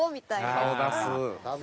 顔出す。